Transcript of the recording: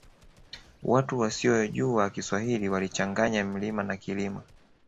Watu wasiyojua kiswahili walichanganya mlima na kilima